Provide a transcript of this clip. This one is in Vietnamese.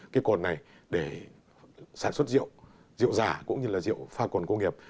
cái cồn này để sản xuất rượu rượu giả cũng như là rượu pha cồn công nghiệp